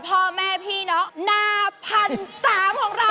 พ่อแม่พี่น้องหน้าพันสามของเรา